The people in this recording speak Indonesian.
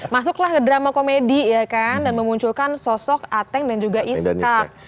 masuklah ke drama komedi ya kan dan memunculkan sosok ateng dan juga iskak